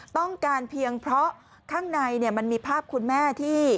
ต้องการเพียงเพราะข้างในมันมีภาพคุณแม่ที่